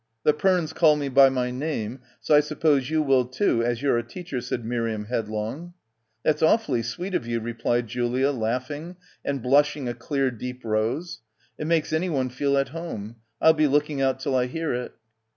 "The Pernes call me by my name, so I suppose you will too as you're a teacher," said Miriam headlong. "That's awfully sweet of you," replied Julia, laughing and blushing a clear deep rose. "It makes anyone feel at home. I'll be looking out till I hear it."